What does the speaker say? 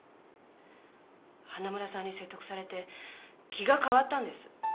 花村さんに説得されて気が変わったんです。